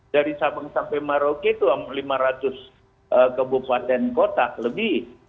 dari sabang sampai maroke itu lima ratus kebupaten kota lebih